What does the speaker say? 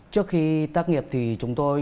trước khi tác nghiệp thì chúng tôi